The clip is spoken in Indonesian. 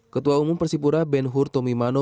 ketua umum persipura ben hur tomimano